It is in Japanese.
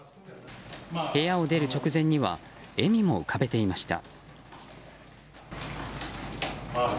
部屋を出る直前には笑みも浮かべていました。